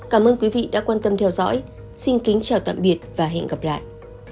cảm ơn quý vị đã quan tâm theo dõi xin kính chào tạm biệt và hẹn gặp lại